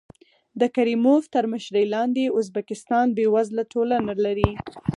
د کریموف تر مشرۍ لاندې ازبکستان بېوزله ټولنه لري.